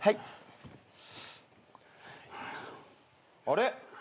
あれ？